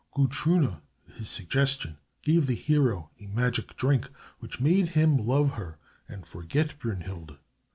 Gutrune, at his suggestion, gave the hero a magic drink, which made him love her, and forget Brünnhilde.